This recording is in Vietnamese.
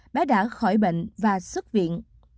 bé đã khỏi bệnh và xuất viện